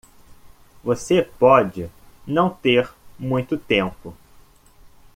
Você pode não ter muito tempo.